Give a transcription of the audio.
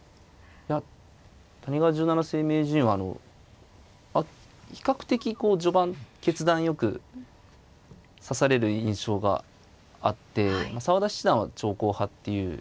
いや谷川十七世名人は比較的こう序盤決断よく指される印象があって澤田七段は長考派っていう。